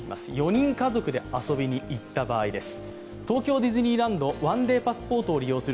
４人家族で遊びにいった場合です。